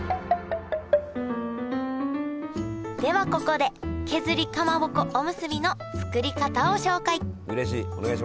ではここで削りかまぼこおむすびの作り方を紹介うれしい！